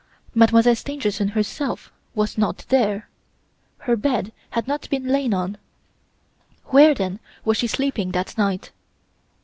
"Mademoiselle Stangerson herself was not there! Her bed had not been lain on! Where, then, was she sleeping that night?